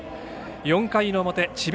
４回の表、智弁